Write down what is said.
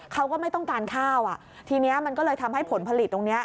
เขาก็ไม่ต้องการข้าวอ่ะทีนี้มันก็เลยทำให้ผลผลิตตรงนี้